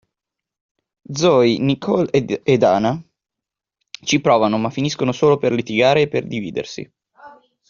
Zoey, Nicole e Dana ci provano ma finiscono solo per litigare e per dividersi.